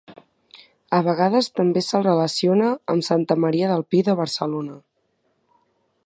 A vegades també se'l relaciona amb Santa Maria del Pi de Barcelona.